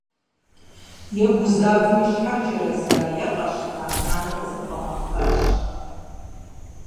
Е гузавэу и щхьэр джэрэза е къэщта - нанэр къызэфӀэмэхащ.